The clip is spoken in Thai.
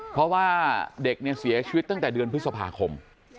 เพราะว่าเด็กเนี่ยเสียชีวิตตั้งแต่เดือนพฤษภาคม